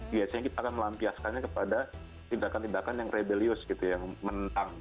biasanya kita akan melampiaskannya kepada tindakan tindakan yang rebelius gitu yang menentang